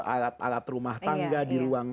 alat alat rumah tangga di ruang